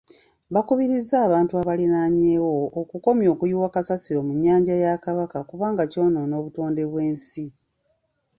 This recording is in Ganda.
Bakubirizza abantu abalinanyewo okukomya okuyiwa kasasiro mu nnyanja ya Kabaka kubanga kyonoona obutonde bw'ensi.